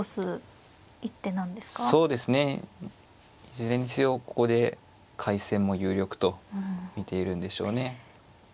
いずれにせよここで開戦も有力と見ているんでしょうね。